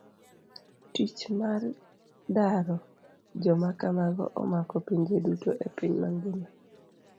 Tich mar daro joma kamago omako pinje duto e piny mang'ima.